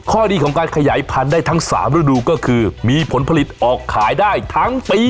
ข้อดีของการขยายพันธุ์ได้ทั้ง๓ฤดูก็คือมีผลผลิตออกขายได้ทั้งปี